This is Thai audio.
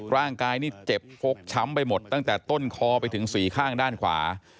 ร่างกายนี่เจ็บฟกช้ำไปหมดตั้งแต่ต้นคอไปถึงสี่ข้างด้านขวา